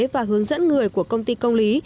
và hướng dẫn người của công ty công lý